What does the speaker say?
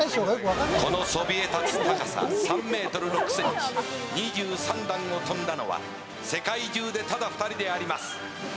このそびえ立つ高さ、３ｍ６ｃｍ２３段を跳んだのは、世界中でただ２人であります。